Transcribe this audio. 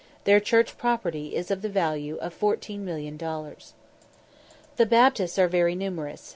Their church property is of the value of 14,000,000 dollars. The Baptists are very numerous.